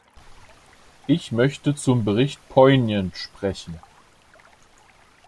Ich möchte zum Bericht Poignant sprechen.